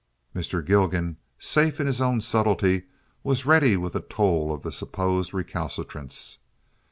Mr. Gilgan, safe in his own subtlety, was ready with a toll of the supposed recalcitrants.